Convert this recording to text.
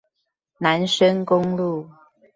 南深公路